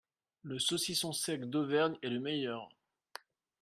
Le saucisson sec d'Auvergne est le meilleur